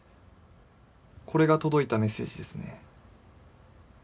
これが届いたメッセージですね